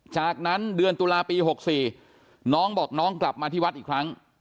จากนั้นเดือนตุลาปี๖๔น้องบอกน้องกลับมาที่วัดอีกครั้ง